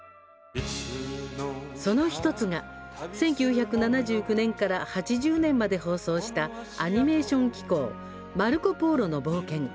その１つが、１９７９年から８０年まで放送したアニメーション紀行「マルコ・ポーロの冒険」。